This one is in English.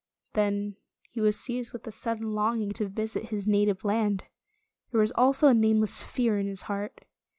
Then he was seized with a sudden long ing to visit his native land. There was also a nameless fear in his heart.